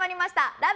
『ラブ！！